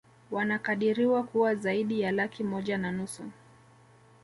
Wanakadiriwa kuwa zaidi ya laki moja na nusu